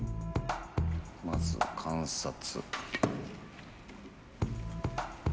まずは観察。